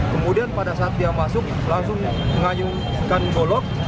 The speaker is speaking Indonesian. kemudian pada saat dia masuk langsung mengayukan golok